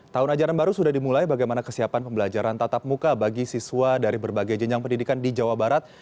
tahun ajaran baru sudah dimulai bagaimana kesiapan pembelajaran tatap muka bagi siswa dari berbagai jenjang pendidikan di jawa barat